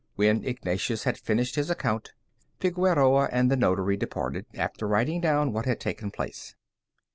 When Ignatius had finished his account, Figueroa and the notary departed, after writing down what had taken place.